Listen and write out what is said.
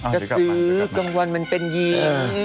กระสือกลางวันมันเป็นยีม